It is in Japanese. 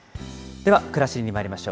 では、くらしりにまいりましょう。